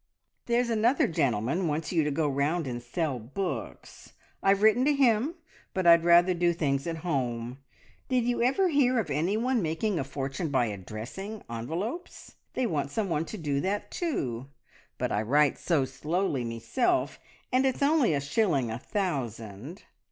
"There's another gentleman wants you to go round and sell books. I've written to him, but I'd rather do things at home. Did you ever hear of anyone making a fortune by addressing envelopes? They want someone to do that too, but I write so slowly meself, and it's only a shilling a thousand.